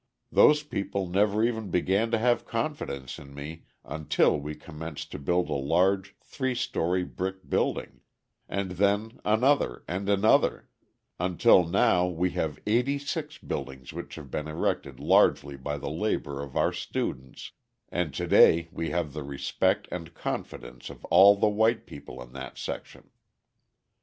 Those people never even began to have confidence in me until we commenced to build a large three story brick building; and then another and another, until now we have eighty six buildings which have been erected largely by the labour of our students, and to day we have the respect and confidence of all the white people in that section.